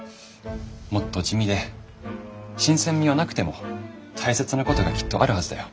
もっと地味で新鮮味はなくても大切なことがきっとあるはずだよ。